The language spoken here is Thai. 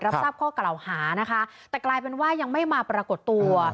รับทราบข้อกล่าวหานะคะแต่กลายเป็นว่ายังไม่มาปรากฏตัว